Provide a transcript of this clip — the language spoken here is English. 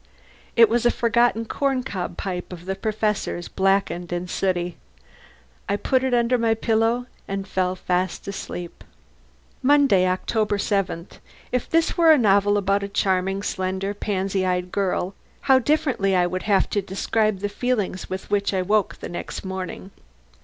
It was a forgotten corncob pipe of the Professor's, blackened and sooty. I put it under my pillow, and fell asleep. Monday, October seventh. If this were a novel about some charming, slender, pansy eyed girl, how differently I would have to describe the feelings with which I woke the next morning.